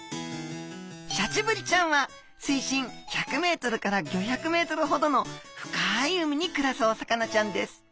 シャチブリちゃんは水深１００ｍから５００ｍほどの深い海に暮らすお魚ちゃんです。